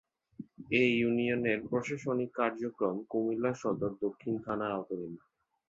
এ ইউনিয়নের প্রশাসনিক কার্যক্রম কুমিল্লা সদর দক্ষিণ থানার আওতাধীন।